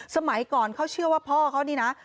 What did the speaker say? สมัยก่อนเขาเชื่อว่าพ่อเขานี่นะ